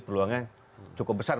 peluangnya cukup besar